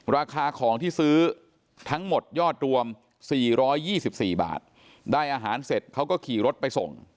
ราคาของที่ซื้อทั้งหมดยอดรวม๔๒๔บาทได้อาหารเสร็จเขาก็ขี่รถไปส่ง